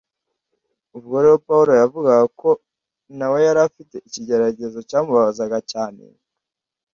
ubwo rero pawulo yavugaga ko na we yari afite ikigeragezo cyamubabazaga cyane